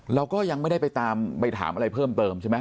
เราก็ยังไม่ได้ไปตามไปถามอะไรเพิ่มเติมใช่ไหม